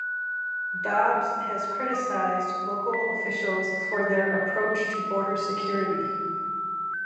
Dobbs has criticized local officials for their approach to border security.